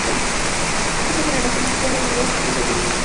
Esta generación dispone de dos carrocerías distintas.